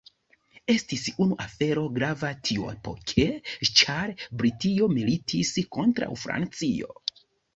Estis unu afero grava tiuepoke ĉar Britio militis kontraŭ Francio.